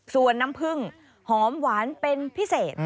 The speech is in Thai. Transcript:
ส่วนน้ำผึ้งหอมหวานเป็นพิเศษ